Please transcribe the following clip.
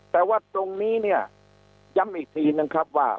แต่ว่าตรงนี้เนี่ยย้ำอีกทีนึงครับว่า